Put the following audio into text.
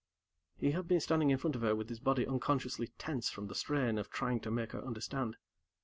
He had been standing in front of her with his body unconsciously tense from the strain of trying to make her understand.